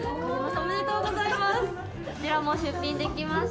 おめでとうございます。